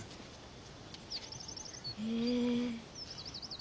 へえ。